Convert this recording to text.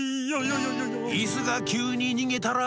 「イスがきゅうににげたら」